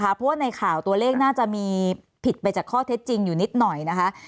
เพราะว่าในข่าวตัวเลขน่าจะมีผิดไปจากข้อเท็จจริงอยู่นิดหน่อยนะคะ